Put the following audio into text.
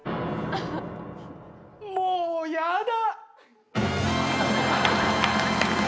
もうやだ。